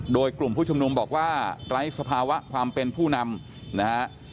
โดยกลุ่มผู้ชุมนุมบอกว่าไร้สภาวะความเป็นผู้นำนะฮะ